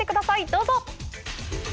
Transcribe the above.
どうぞ。